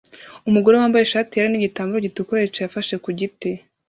Umugore wambaye ishati yera nigitambaro gitukura yicaye afashe ku giti